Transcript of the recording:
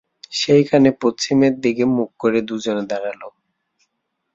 সেইখানে পশ্চিমের দিকে মুখ করে দুজনে দাঁড়াল।